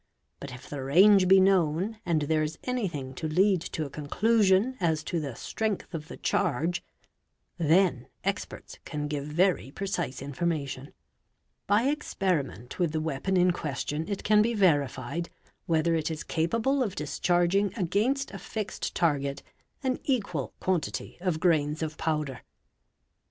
But if the range be known and ; there is anything to lead to a conclusion as to the strength of the charge, — then experts can give very precise information; by experiment with the — weapon in question it can be verified whether it is capable of discharging against a fixed target an equal quantity of grains of powder.